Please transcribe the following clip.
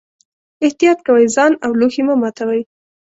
احتیاط کوئ، ځان او لوښي مه ماتوئ.